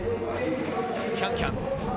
キャンキャン。